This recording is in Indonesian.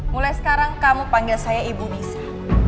mulai sekarang kamu panggil saya ibu bisa